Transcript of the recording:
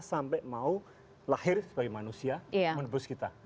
sampai mau lahir sebagai manusia menembus kita